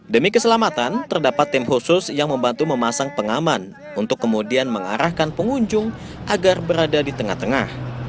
demi keselamatan terdapat tim khusus yang membantu memasang pengaman untuk kemudian mengarahkan pengunjung agar berada di tengah tengah